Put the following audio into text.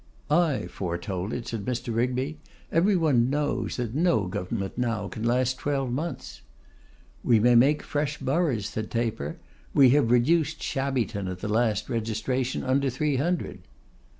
'I foretold it,' said Mr. Rigby. 'Every one knows that no government now can last twelve months.' 'We may make fresh boroughs,' said Taper. 'We have reduced Shabbyton at the last registration under three hundred.